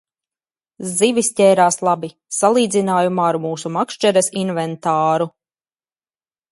Zivis ķērās labi, salīdzinājumā ar mūsu makšķeres inventāru.